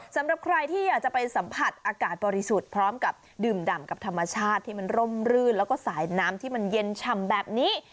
สำหรับใครที่อยากจะไปสัมผัสอากาศบริสุทธิ์พร้อมกับดื่มดำกับธรรมชาติที่มันร่มรื่นแล้วก็สายน้ำที่มันเย็นฉ่ำแบบนี้